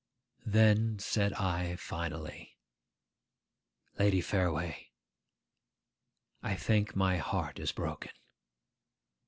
Then said I finally, 'Lady Fareway, I think my heart is broken.